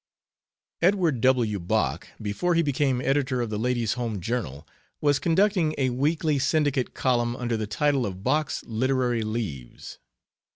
Edward W. Bok, before he became editor of the Ladies Home Journal, was conducting a weekly syndicate column under the title of "Bok's Literary Leaves."